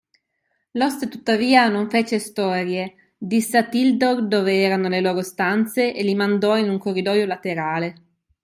L’oste tuttavia non fece storie, disse a Tildor dove erano le loro stanze e li mandò in un corridoio laterale